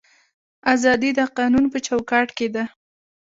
ازادي د قانون په چوکاټ کې ده